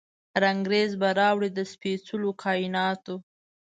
رنګریز به راوړي، د سپیڅلو کائیناتو،